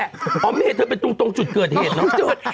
เพราะมันเห็นเธอไปตรงจุดเกิดเหตุ